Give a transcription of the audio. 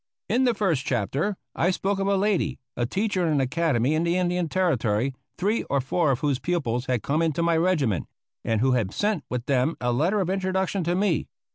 In the first chapter, I spoke of a lady, a teacher in an academy in the Indian Territory, three or four of whose pupils had come into my regiment, and who had sent with them a letter of introduction to me.